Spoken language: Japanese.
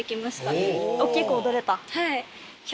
はい。